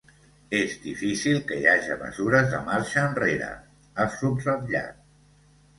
“És difícil que hi haja mesures de marxa enrere”, ha subratllat.